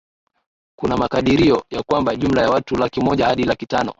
Kuna makadirio ya kwamba jumla ya watu laki moja hadi laki tano